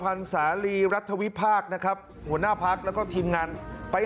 อย่างที่สุดท้ายสร้างชาติกันบ้างครับผลเอกประยุจจันทร์โอชาญนายกัธมนตรีนะครับ